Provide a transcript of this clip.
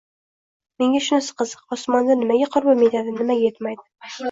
Menga shunisi qiziq: osmonda nimaga qurbim yetadi, nimaga yetmaydi